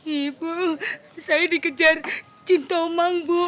ibu saya dikejar cinta mang bu